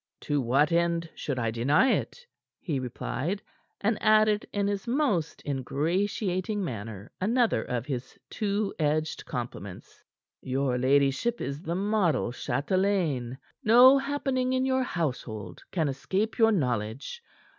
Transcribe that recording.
"To what end should I deny it?" he replied, and added in his most ingratiating manner another of his two edged compliments. "Your ladyship is the model chatelaine. No happening in your household can escape your knowledge.